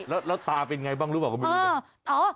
แล้วตาเป็นไงบ้างรู้หรือเปล่า